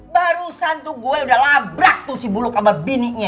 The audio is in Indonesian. barusan tuh gua udah labrak tuh si bulu sama biniknya